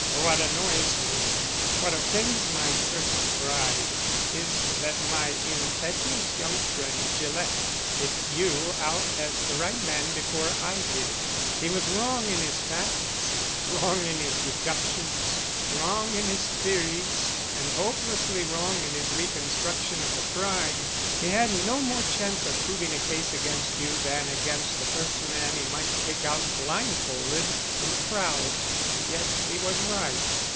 What annoys me what offends my personal pride is that my impetuous young friend Gillett picked you out as the right man before I did. He was wrong in his facts, wrong in his deductions, wrong in his theories, and hopelessly wrong in his reconstruction of the crime. He had no more chance of proving a case against you than against the first man he might pick out blindfolded from a crowd, and yet he was right.